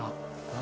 何？